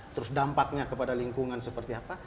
terus dampaknya kepada lingkungan seperti apa